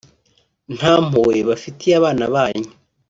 nta mpuhwe bafitiye abana banyu